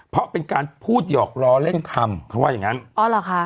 เพราะเป็นการพูดหยอกล้อเล่นคำเขาว่าอย่างงั้นอ๋อเหรอค่ะ